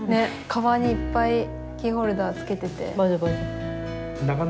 かばんにいっぱいキーホルダーつけてて。